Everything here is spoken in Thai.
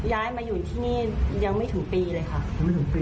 ย้ายมาอยู่ที่นี่ยังไม่ถึงปีเลยค่ะยังไม่ถึงปี